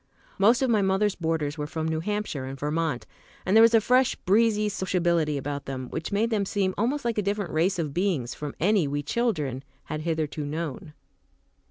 Most of my mother's boarders were from New Hampshire and Vermont, and there was a fresh, breezy sociability about them which made them seem almost like a different race of beings from any we children had hitherto known.